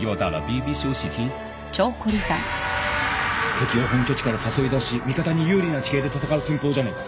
敵を本拠地から誘い出し味方に有利な地形で戦う戦法じゃねえか